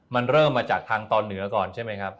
มันเริ่มมาจากทางตอนเหนือก่อนใช่ไหมครับ